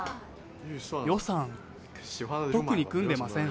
予算、特に組んでません。